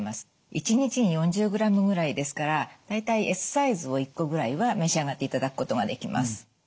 １日に４０ｇぐらいですから大体Ｓサイズを１個ぐらいは召し上がっていただくことができます。